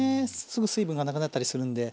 すぐ水分がなくなったりするんで。